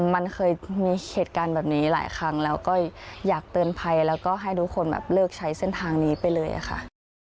มันเคยมีเหตุการณ์แบบนี้หลายครั้งแล้วก็อยากเตือนภัยแล้วก็ให้ทุกคนแบบเลิกใช้เส้นทางนี้ไปเลยค่ะ